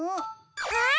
あっ！